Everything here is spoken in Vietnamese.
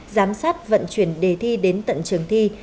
giám sát vận chuyển đề thi đến tận trường thi